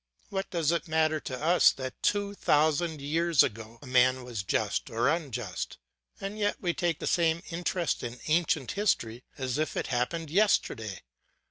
What does it matter to us that two thousand years ago a man was just or unjust? and yet we take the same interest in ancient history as if it happened yesterday.